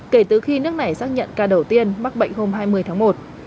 kể từ khi nước này xác nhận ca đầu tiên mắc bệnh hôm hai mươi tháng một